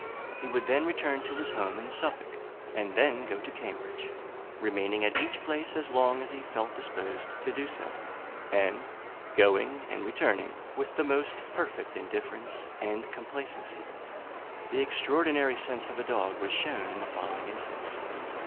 He would then return to his home in Suffolk, and then go to Cambridge, remaining at each place as long as he felt disposed to do so, and going and returning with the most perfect indifference and complacency. The extraordinary sense of a dog was shown in the following instance.